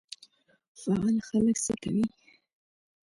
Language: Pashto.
فعال خلک څه کوي؟